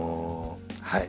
はい。